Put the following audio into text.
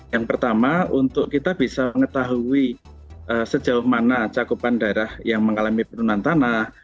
yang pertama untuk kita bisa mengetahui sejauh mana cakupan daerah yang mengalami penurunan tanah